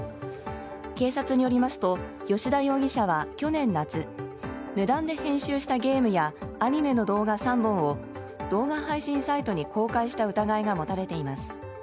警察によりますと吉田容疑者は去年夏無断で編集したゲームやアニメの動画３本を動画配信サイトに公開した疑いが持たれています。